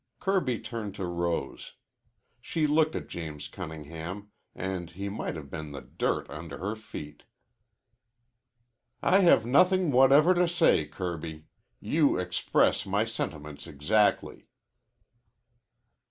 Kirby turned to Rose. She looked at James Cunningham, and he might have been the dirt under her feet. "I have nothing whatever to say, Kirby. You express my sentiments exactly."